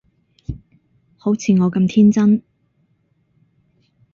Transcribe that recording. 好似我咁天真